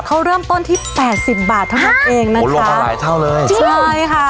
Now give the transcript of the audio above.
เขาเริ่มต้นที่แปดสิบบาทเท่านั้นเองนะคะรวมต่อหลายเท่าเลยจริงใช่ค่ะ